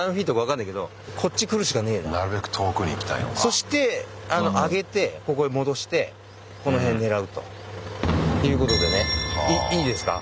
そして揚げてここへ戻してこの辺狙うと。っていうことでねいいですか？